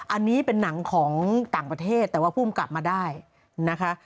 อันนี้เป็นหนังของต่างประเทศแต่ว่าภูมิกลับมาได้นะคะ